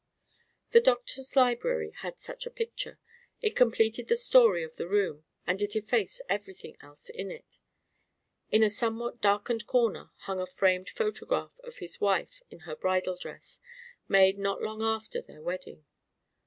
The doctor's library had such a picture: it completed the story of the room, and it effaced everything else in it. In a somewhat darkened corner hung a framed photograph of his wife in her bridal dress made not long after their wedding.